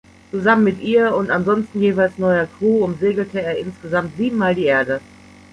Zusammen mit ihr und ansonsten jeweils neuer Crew umsegelte er insgesamt siebenmal die Erde.